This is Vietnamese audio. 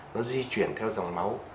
nó di chuyển theo dòng máu